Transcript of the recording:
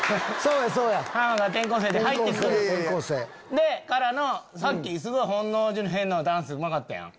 でからのさっきすごい『本能寺の変』のダンスうまかったやん。